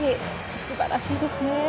素晴らしいですね。